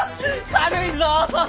軽いぞ！